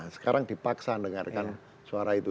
sekarang dipaksa dengarkan suara itu